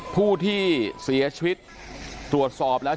ผู้ที่เสียชีวิตตรวจสอบแล้ว